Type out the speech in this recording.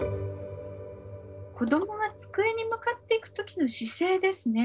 子どもが机に向かっていく時の姿勢ですね。